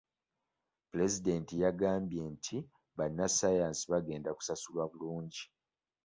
Pulezidenti yagambye nti bannassaayansi bagenda kusasulwa bulungi.